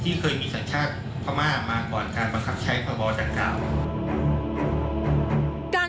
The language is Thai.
ที่เคยมีสัญชาติพม่ามาก่อนการบังคับใช้ประบอบจากกล่าว